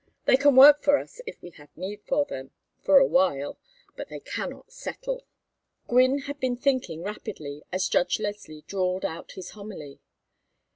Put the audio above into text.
They can work for us if we have need of them, for a while, but they cannot settle." Gwynne had been thinking rapidly as Judge Leslie drawled out his homily.